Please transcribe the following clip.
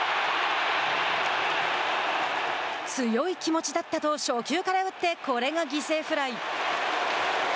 強い気持ちだったと初球から打ってこれが犠牲フライ。